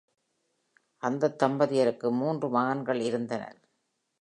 அந்த தம்பதியருக்கு மூன்று மகன்கள் இருந்தனர்.